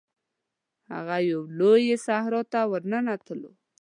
هغه یوې لويي صحرا ته ورننوتلو.